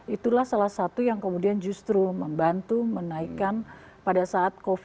itulah salah satu yang kemudian justru membantu menaikkan pada saat covid sembilan belas